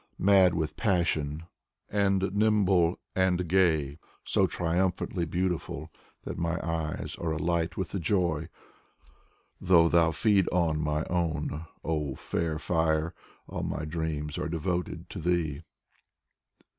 Mad with passion, and nimble and gay, — So triiunphantly beautiful That my eyes are alight with thy joy Though thou feed on my own, — O fair Fire, all my dreams are devoted to thee!